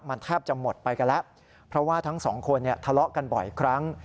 มันแทบจะหมดไปกันแล้วเพราะว่าทั้งสองคนเนี่ยทะเลาะกันบ่อยครั้ง